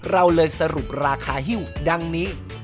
เราเลยสรุปราคาฮิ้วดังนี้